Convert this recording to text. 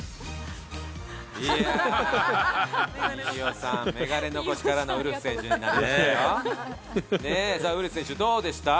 飯尾さん、眼鏡残しからのウルフ選手になりましたよ。